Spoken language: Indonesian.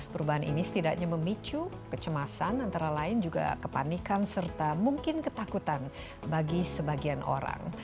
perubahan ini setidaknya memicu kecemasan antara lain juga kepanikan serta mungkin ketakutan bagi sebagian orang